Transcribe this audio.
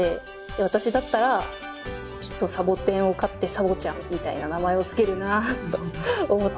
私だったらきっとサボテンを飼ってサボちゃんみたいな名前を付けるなと思ったので。